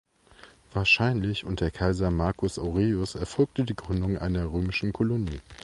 Wahrscheinlich unter Kaiser Marcus Aurelius erfolgte die Gründung einer römischen Kolonie.